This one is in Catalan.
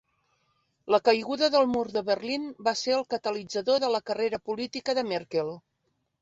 La caiguda del Mur de Berlín va ser el catalitzador de la carrera política de Merkel.